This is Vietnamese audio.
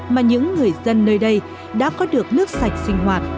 mà những người dân nơi đây đã có được nước sạch sinh hoạt